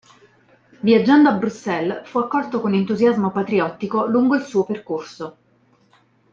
Viaggiando a Bruxelles, fu accolto con entusiasmo patriottico lungo il suo percorso.